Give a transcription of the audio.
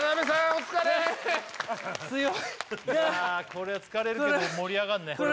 お疲れ強いこれは疲れるけど盛り上がるね